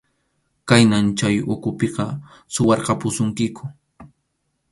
Khaynan chay ukhupiqa suwarqapusunkiku.